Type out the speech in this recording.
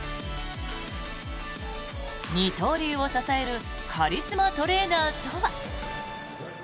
二刀流を支えるカリスマトレーナーとは。